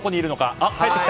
あ、帰ってきた。